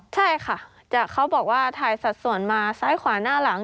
ใช่ค่ะเขาบอกว่าถ่ายสัดส่วนมาซ้ายขวาหน้าหลัง